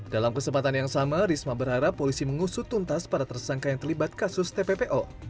dalam kesempatan yang sama risma berharap polisi mengusut tuntas para tersangka yang terlibat kasus tppo